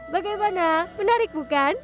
bagaimana menarik bukan